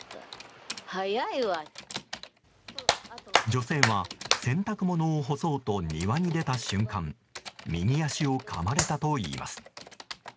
女性は洗濯物を干そうと庭に出た瞬間右足をかまれたといいます。